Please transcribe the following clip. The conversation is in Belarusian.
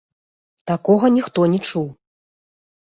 Такога ніхто не чуў!